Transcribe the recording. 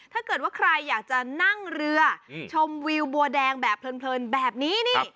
ถ้าเกิดว่าใครอยากจะนั่งเรือชมวิวบัวแดงแบบเพลินแบบนี้นี่